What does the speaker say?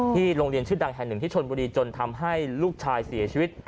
โรงเรียนชื่อดังแห่งหนึ่งที่ชนบุรีจนทำให้ลูกชายเสียชีวิต